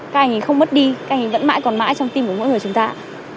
các anh ấy không mất đi các anh ấy vẫn mãi còn mãi trong tim của mỗi người chúng ta